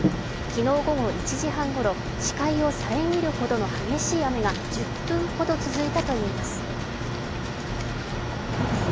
昨日午後１時半ごろ、視界を遮るほどの激しい雨が１０分ほど続いたといいます。